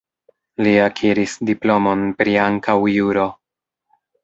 Li akiris diplomon pri ankaŭ juro.